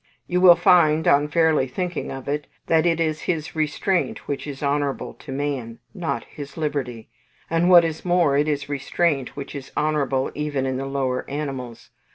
You will find, on fairly thinking of it, that it is his Restraint which is honourable to man, not his Liberty; and, what is more, it is restraint which is honourable even in the lower animals.